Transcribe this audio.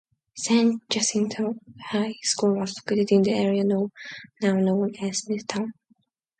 San Jacinto High School was located in the area now known as Midtown.